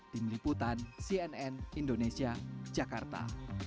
tim liputan cnn indonesia jakarta